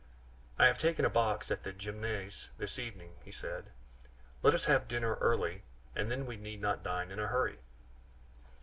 "I have taken a box at the Gymnase this evening," he said; "let us have dinner early, and then we need not dine in a hurry."